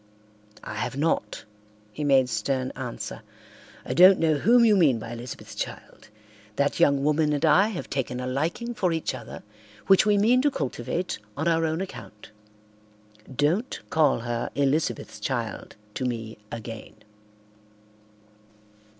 "I have not," he made stern answer. "I don't know whom you mean by Elizabeth's child. That young woman and I have taken a liking for each other which we mean to cultivate on our own account. Don't call her Elizabeth's child to me again."